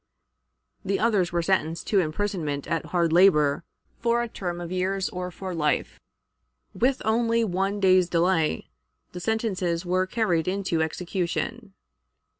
The others were sentenced to imprisonment at hard labor for a term of years or for life. With only one day's delay, the sentences were carried into execution.